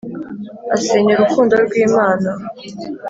asenya urukundo rw imana